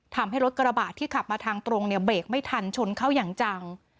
ทำให้รถกระบะที่ขับมาทางตรงเนี่ยเบรกไม่ทันชนเข้าอย่างจัง